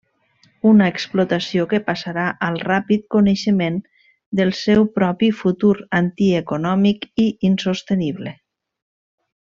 Una explotació que passarà al ràpid coneixement del seu propi futur antieconòmic i insostenible.